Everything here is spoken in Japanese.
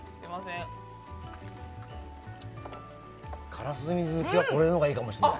からすみ好きはこれのほうがいいかもしれない。